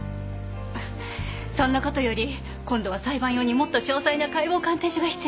そんな事より今度は裁判用にもっと詳細な解剖鑑定書が必要になります。